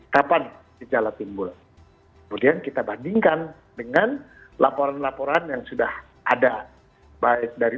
kapan gejala timbul kemudian kita bandingkan dengan laporan laporan yang sudah ada baik dari